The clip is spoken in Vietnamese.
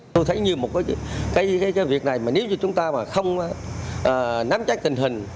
tôi thấy như một cái việc này nếu như chúng ta mà không nắm trách tình hình